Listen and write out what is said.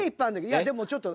いやでもちょっと。